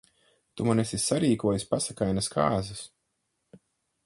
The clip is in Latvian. Tu man esi sarīkojis pasakainas kāzas.